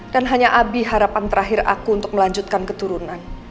dan hanya abi harapan terakhir aku untuk melanjutkan keturunan